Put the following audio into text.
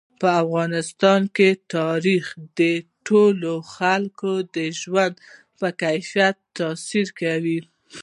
په افغانستان کې تاریخ د ټولو خلکو د ژوند په کیفیت تاثیر کوي.